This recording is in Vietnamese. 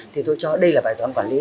thì tôi cho đây là bài toán quản lý